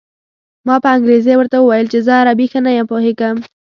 ما په انګرېزۍ ورته وویل چې زه عربي ښه نه پوهېږم.